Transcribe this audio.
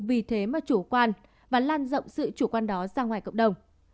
vì thế mà chủ quan và lan rộng sự chủ quan đó ra ngoài cộng đồng